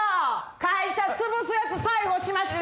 会社潰すやつ逮捕しました。